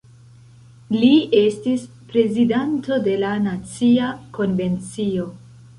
Li estis prezidanto de la Nacia Konvencio.